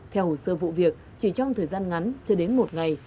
theo hồ sơ vụ việc chỉ trong thời gian ngắn chưa đến một ngày